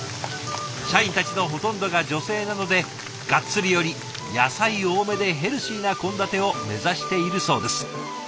社員たちのほとんどが女性なのでがっつりより野菜多めでヘルシーな献立を目指しているそうです。